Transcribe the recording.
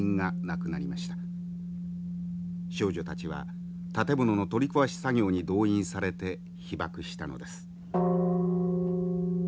少女たちは建物の取り壊し作業に動員されて被爆したのです。